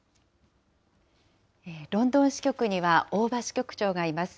ロンドン支局には大庭支局長がいます。